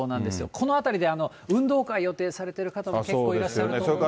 このあたりで運動会予定されてる方も結構いらっしゃると思うんですけど。